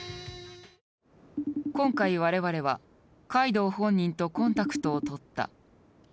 今回我々は海道本人とコンタクトをとった。